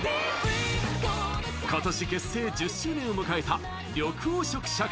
今年、結成１０周年を迎えた緑黄色社会。